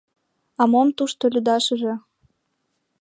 — А мом тушто лӱдашыже?